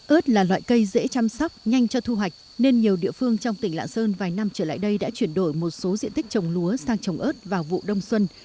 ớt là loại cây dễ chăm sóc nhanh cho thu hoạch nên nhiều địa phương trong tỉnh lạng sơn vài năm trở lại đây đã chuyển đổi một số diện tích trồng lúa sang trồng ớt vào vụ đông xuân